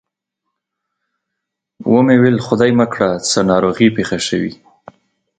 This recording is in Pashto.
و مې ویل خدای مه کړه څه ناروغي پېښه شوې.